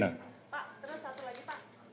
pak terus satu lagi pak